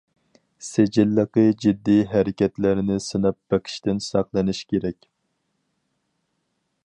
سىجىللىقى جىددىي ھەرىكەتلەرنى سىناپ بېقىشتىن ساقلىنىش كېرەك.